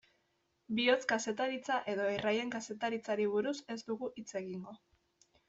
Bihotz-kazetaritza edo erraien kazetaritzari buruz ez dugu hitz egingo.